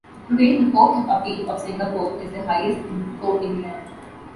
Today the Court of Appeal of Singapore is the highest court in the land.